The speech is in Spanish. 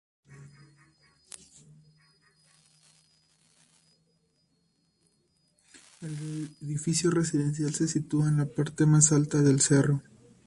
El edificio residencial se sitúa en la parte más alta del cerro.